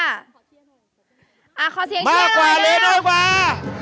อ่ะขอเสียงเที่ยวเลยมากกว่าเละน้อยกว่า